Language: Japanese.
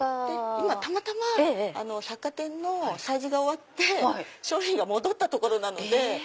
今たまたま百貨店の催事が終わって商品が戻ったところなので。